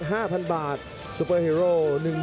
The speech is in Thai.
โอ๋โห๋ไปยังจะเล่นงานใช้ด้วยแค่งขวา